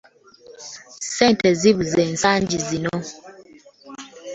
ssente zibuuze ensangi zino.